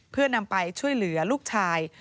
เพื่อนำไปช่วยเหลือลูกชาย